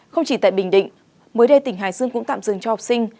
không chỉ tại bình định mới đây tỉnh hải dương cũng tạm dừng cho học sinh